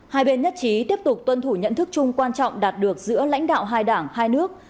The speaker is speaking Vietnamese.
hai bên nhất trí tiếp tục tuân thủ nhận thức chung quan trọng đạt được giữa lãnh đạo hai đảng hai nước